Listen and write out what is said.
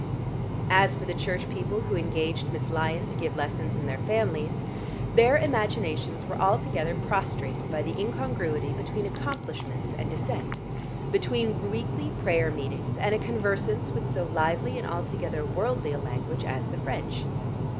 As for the Church people who engaged Miss Lyon to give lessons in their families, their imaginations were altogether prostrated by the incongruity between accomplishments and Dissent, between weekly prayer meetings and a conversance with so lively and altogether worldly a language as the French.